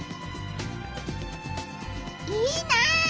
いいなあ！